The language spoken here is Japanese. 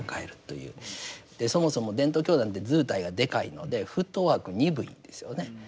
そもそも伝統教団って図体がでかいのでフットワーク鈍いんですよね。